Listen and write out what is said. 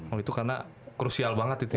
oh itu karena krusial banget itu ya